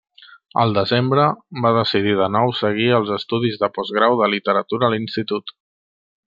Al desembre, va decidir de nou seguir els estudis de postgrau de literatura a l'institut.